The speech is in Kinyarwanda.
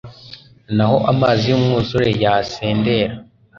n'aho amazi y'umwuzure yasendera